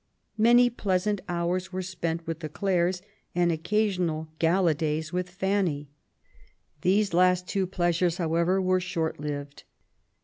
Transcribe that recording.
Many pleasant hours were spent with the Clares^ and occa sional gala days with Fanny. These last two pleasures^ however, were short lived.